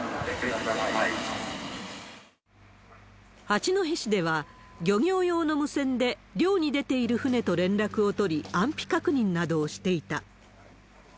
八戸市では、漁業用の無線で漁に出ている船と連絡を取り、安否確認などをしていた。